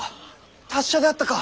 達者であったか。